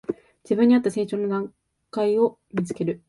自分にあった成長の階段を見つける